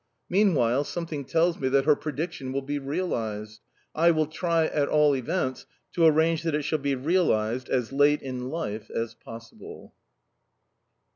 Meanwhile, something tells me that her prediction will be realized; I will try, at all events, to arrange that it shall be realized as late in life as possible.